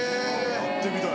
やってみたい。